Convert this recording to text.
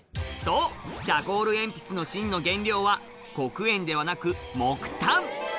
そう、チャコール鉛筆の真の原料は、黒鉛ではなく、木炭。